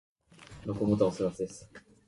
Carter attended Arizona State University.